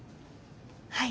はい。